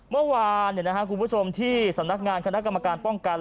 เมื่อวานคุณผู้ชมที่สำนักงานคณะกรรมการป้องกัน